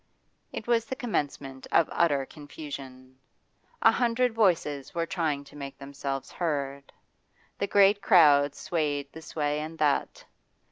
It was the commencement of utter confusion. A hundred voices were trying to make themselves heard. The great crowd swayed this way and that.